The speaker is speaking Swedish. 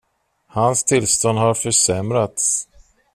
Hans tillstånd har försämrats.